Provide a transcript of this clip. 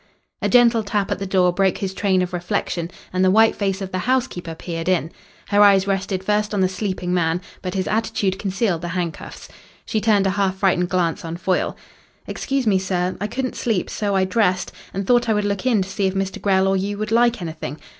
A gentle tap at the door broke his train of reflection, and the white face of the housekeeper peered in. Her eyes rested first on the sleeping man, but his attitude concealed the handcuffs. She turned a half frightened glance on Foyle. "Excuse me, sir. I couldn't sleep, so I dressed, and thought I would look in to see if Mr. Grell or you would like anything.